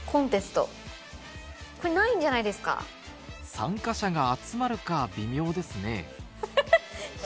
参加者が集まるか微妙ですねフフフ！